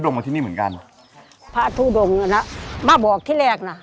มาที่นี่เหมือนกันพระทุดงน่ะนะมาบอกที่แรกน่ะ